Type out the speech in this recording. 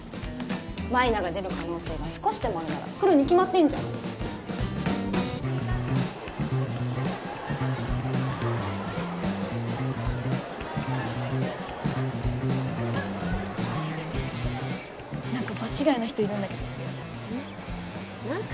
舞菜が出る可能性が少しでもあるなら来るに決まってんじゃんなんか場違いな人いるんだけどうん？